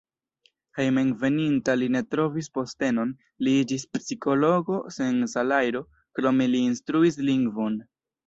Hejmenveninta li ne trovis postenon, li iĝis psikologo sen salajro, krome li instruis lingvon.